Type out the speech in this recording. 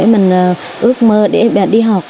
mình ước mơ để đi học